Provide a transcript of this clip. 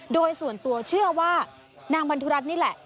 โดยส่วนตัวเชื่อว่านางบรรทุกรัฐนี่แหละ